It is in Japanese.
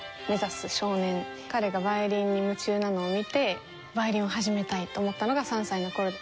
彼がヴァイオリンに夢中なのを見てヴァイオリンを始めたいと思ったのが３歳の頃で。